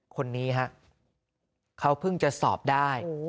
คนนี้ฮะเขาเพิ่งจะสอบได้